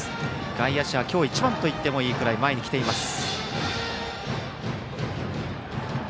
外野手は今日一番といってもいいくらい前に来ています。